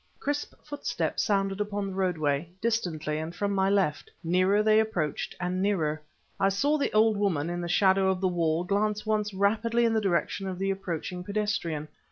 Crisp footsteps sounded upon the roadway; distantly, and from my left. Nearer they approached and nearer. I saw the old woman, in the shadow of the wall, glance once rapidly in the direction of the approaching pedestrian.